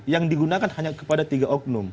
yang digunakan hanya kepada tiga oknum